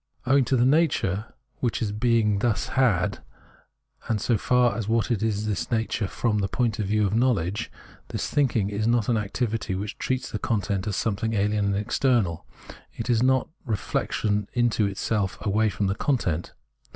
Owing to the nature which being thus has, and so far as what is has this nature from the point of view of knowledge, this thinking is not an activity which treats the content as something alien and external ; it is not reflection into self away from the content.